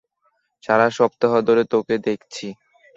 সারা সপ্তাহ ধরে তোকে দেখছি।